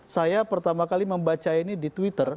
saya pertama kali membaca ini di twitter